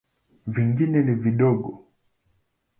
Vingine ni vidogo.